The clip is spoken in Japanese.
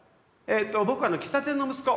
僕は喫茶店の息子です。